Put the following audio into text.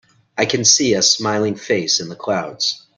I can see a smiling face in the clouds.